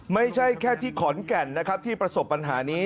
ไม่ใช่แค่ที่ขอนแก่นนะครับที่ประสบปัญหานี้